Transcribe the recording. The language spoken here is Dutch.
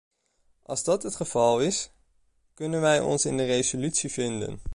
Als dat het geval is, kunnen wij ons in de resolutie vinden.